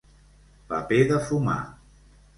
Paper de fumar.